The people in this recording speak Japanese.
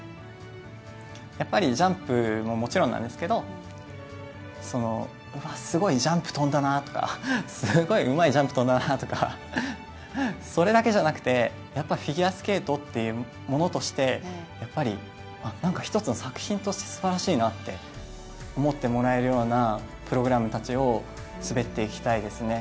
やっぱりジャンプももちろんなんですけど、すごいジャンプ跳んだなとか、すごいうまいジャンプ跳んだなとかそれだけじゃなくてやっぱりフィギュアスケートというものとしてなんか一つの作品としてすばらしいなって思ってもらえるようなプログラムたちを滑っていきたいですね。